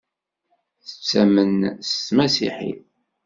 Tettamnem s tmasiḥit?